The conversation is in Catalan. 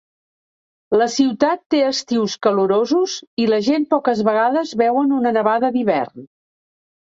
La ciutat té estius calorosos i la gent poques vegades veuen una Nevada d'hivern.